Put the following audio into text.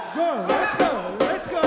レッツゴー！